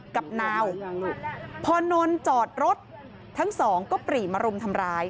กับนาวพอนนจอดรถทั้งสองก็ปรีมารุมทำร้าย